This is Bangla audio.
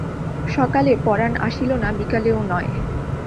সকালে পরান আসিল না, বিকালেও নয়।